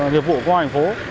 nhiệm vụ của hoa hành phố